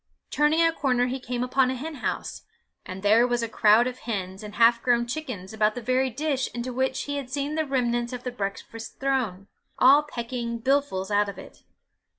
Turning a corner he came upon a hen house and there was a crowd of hens and half grown chickens about the very dish into which he had seen the remnants of the breakfast thrown, all pecking billfuls out of it.